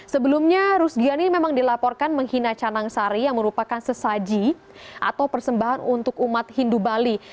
sebelumnya rusdiani memang dilaporkan menghina canang sari yang merupakan sesaji atau persembahan untuk umat hindu bali